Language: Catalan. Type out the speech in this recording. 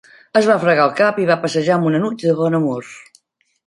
Es va fregar el cap i va passejar amb un enuig de bon humor.